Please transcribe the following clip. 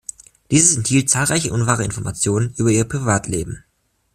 Dieses enthielt zahlreiche unwahre Informationen über ihr Privatleben.